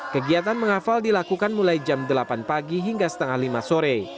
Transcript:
kegiatan menghafal dilakukan mulai jam delapan pagi hingga setengah lima sore